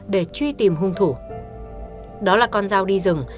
và thảm án đã xảy ra